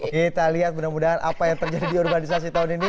kita lihat mudah mudahan apa yang terjadi di urbanisasi tahun ini